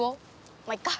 まいっか。